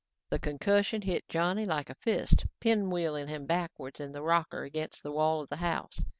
The concussion hit Johnny like a fist, pinwheeling him backwards in the rocker against the wall of the house.